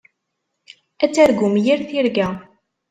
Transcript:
Ad targum yir tirga.